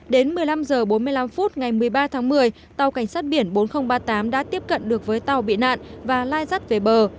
đến một mươi năm h bốn mươi năm phút ngày một mươi ba tháng một mươi tàu cảnh sát biển bốn nghìn ba mươi tám đã tiếp cận được với tàu bị nạn và lai rắt về bờ